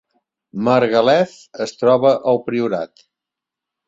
Margalef es troba al Priorat